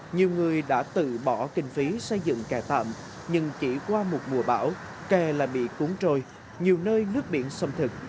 nhiều người đã tự bỏ kinh phí xây dựng kè tạm nhưng chỉ qua một mùa bão kè lại bị cuốn trôi nhiều nơi nước biển xâm thực